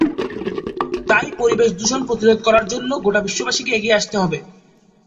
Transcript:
তাই পরিবেশ দূষণ প্রতিরোধ করার জন্য গোটা বিশ্ববাসীকে এগিয়ে আসতে হবে।